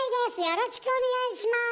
よろしくお願いします。